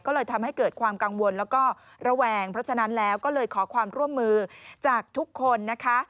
ก็เลยทำให้เกิดความกังวลแล้วก็ระแวงเพราะฉะนั้นแล้วก็เลยขอความร่วมมือจากทุกคนนะคะ